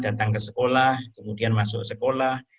datang ke sekolah kemudian masuk sekolah